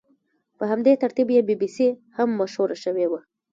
په همدې ترتیب بي بي سي هم مشهوره شوې وه.